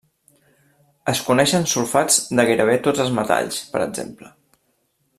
Es coneixen sulfats de gairebé tots els metalls, per exemple.